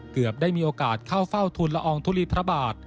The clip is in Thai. ได้มีโอกาสเข้าเฝ้าทุนละอองทุลีพระบาท